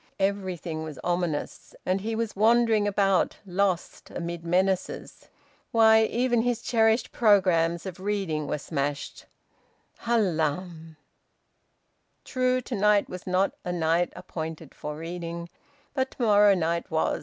Everything was ominous, and he wandering about, lost, amid menaces... Why, even his cherished programmes of reading were smashed... Hallam! ... True, to night was not a night appointed for reading, but to morrow night was.